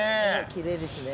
きれいですね。